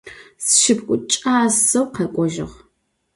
Sşşıpxhu ç'aseu khek'ojığ.